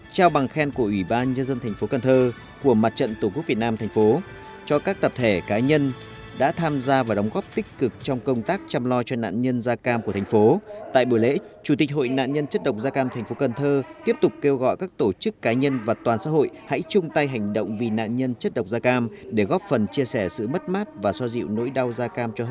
sáng ngày năm tháng tám tại thành phố cần thơ hội nạn nhân chất độc da cam thành phố cần thơ tổ chức lễ mít tình ngoài hợp ứng mẽ kỷ niệm năm mươi năm năm thảm họa da cam trong khuôn khổ lễ mít tình